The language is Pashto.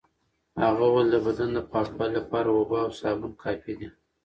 هغه وویل د بدن د پاکوالي لپاره اوبه او سابون کافي دي.